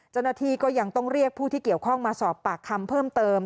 เจ้าหน้าที่ก็ยังต้องเรียกผู้ที่เกี่ยวข้องมาสอบปากคำเพิ่มเติม